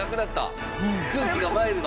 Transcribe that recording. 空気がマイルド？